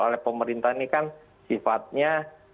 oleh pemerintah ini kan sifatnya